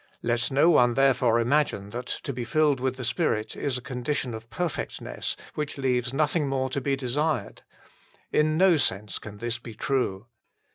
Let no one therefore imagine that to be filled with the Spirit is a condition of perfectness which 121 122 THE FULL BLESSING OF PENTECOST leaves nothing more to be desired. In no sense can this be true.